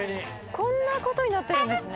こんなことになってるんですね。